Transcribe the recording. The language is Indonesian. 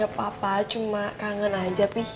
gapapa cuma kangen aja pi